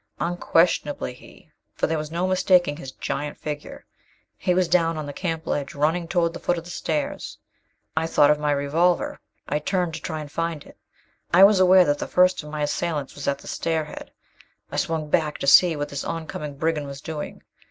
Unquestionably he, for there was no mistaking his giant figure. He was down on the camp ledge, running toward the foot of the stairs. I thought of my revolver. I turned to try and find it. I was aware that the first of my assailants was at the stairhead. I swung back to see what this oncoming brigand was doing.